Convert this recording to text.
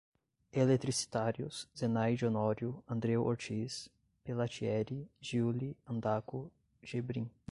Eletricitários, Zenaide Honório, Andreu Ortiz, Pelatieri, Giuli, Andaku, Gebrim